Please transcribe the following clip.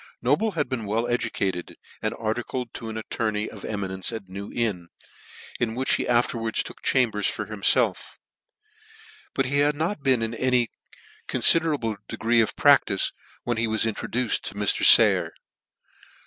Noble had been well educated, and Articled to an attorney of emi nence in iSew Inn, in wh ; ch he afterwards took chambers for himfelf ; but he ha,d not been in any con RICHARD NOBLE for Murder. 155 confiderable degree of practice when he was intro duced to Mr. Sayer.